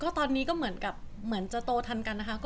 ก็ตอนนี้ก็เหมือนจะโตทันกันนะคะ